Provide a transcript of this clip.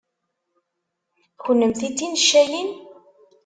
Kennemti d ticennayin?